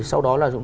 sau đó là